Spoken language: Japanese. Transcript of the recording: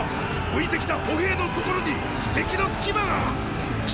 置いてきた歩兵の所に敵の騎馬がっ！！